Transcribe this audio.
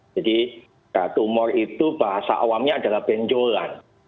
jadi tumor itu bahasa awamnya adalah benjolan